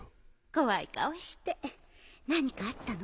怖い顔して何かあったの？